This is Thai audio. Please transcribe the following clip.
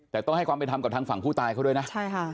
แต่ต้องให้ความเป็นธรรมกับทางฝั่งผู้ตายเขาด้วยนะใช่ค่ะ